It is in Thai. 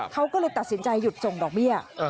เขาก็เลยตัดสินใจหยุดส่งดอกเบี้ย